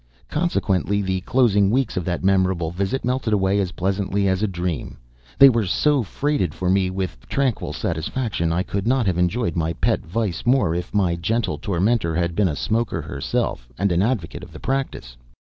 Consequently the closing weeks of that memorable visit melted away as pleasantly as a dream, they were so freighted for me with tranquil satisfaction. I could not have enjoyed my pet vice more if my gentle tormentor had been a smoker herself, and an advocate of the practice.